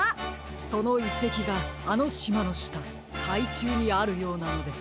そのいせきがあのしまのしたかいちゅうにあるようなのです。